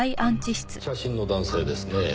写真の男性ですねぇ。